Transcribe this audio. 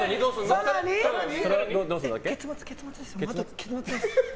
結末です。